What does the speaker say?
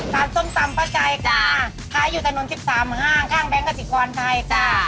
ร้านส้มประจายค่ะค้าอยู่จานนที่๑๓ห้างข้างแบงค์กฤษิกรณภรรย์ไทยค่ะ